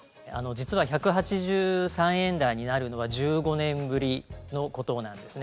実は１８３円台になるのは１５年ぶりのことなんですね。